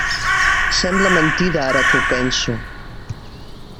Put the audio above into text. Sembla mentida, ara que ho penso.